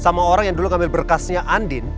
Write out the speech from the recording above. sama orang yang dulu ngambil berkasnya andin